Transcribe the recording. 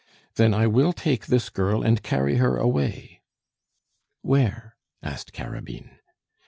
"Then I will take this girl and carry her away " "Where?" asked Carabine.